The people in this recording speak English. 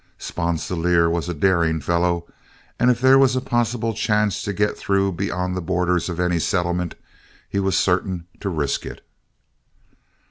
Sponsilier was a daring fellow, and if there was a possible chance to get through beyond the borders of any settlement, he was certain to risk it.